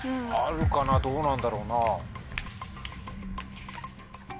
あるかなどうなんだろうな。